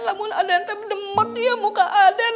namun aden teh benemot dia muka aden